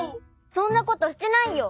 そんなことしてないよ！